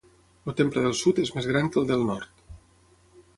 El temple del sud és més gran que el del nord.